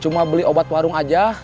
cuma beli obat warung aja